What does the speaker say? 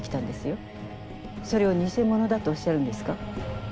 それをにせものだとおっしゃるんですか？